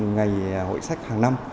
ngày hội sách hàng năm